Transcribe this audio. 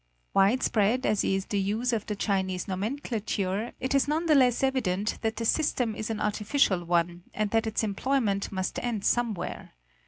Wide spread as is the use of the Chinese nomenclature, it is none the less evident that the system is an artificial one, and that its employment must end somewhere.